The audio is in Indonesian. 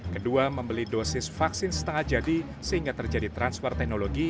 kedua membeli dosis vaksin setengah jadi sehingga terjadi transfer teknologi